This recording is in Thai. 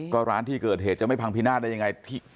ก็ร้านที่เกิดเหตุจะไม่พังพินาศได้ยังไง